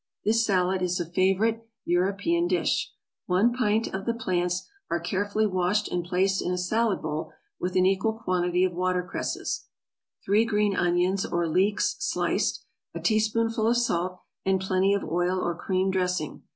= This salad is a favorite European dish; one pint of the plants are carefully washed and placed in a salad bowl with an equal quantity of watercresses, three green onions or leeks sliced, a teaspoonful of salt, and plenty of oil or cream dressing.